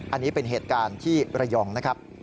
อันนี้เป็นเหตุการณ์ที่ระยองนะครับ